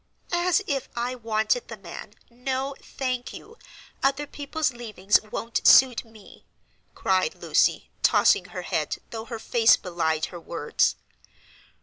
"As if I wanted the man! No, thank you, other people's leavings won't suit me," cried Lucy, tossing her head, though her face belied her words.